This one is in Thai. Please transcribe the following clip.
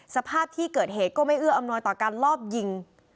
สภาพที่เกิดเหตุก็ไม่เอื้ออำนวยต่อการลอบยิง